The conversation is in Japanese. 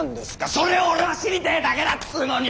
それを俺は知りてーだけだっつーのに！